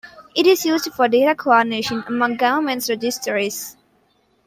It is used for data coordination among government registries.